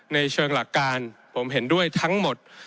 ในเชิงหลักการผมเห็นด้วยทั้งหมด